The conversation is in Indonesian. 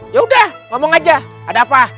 yaudah ngomong aja ada apa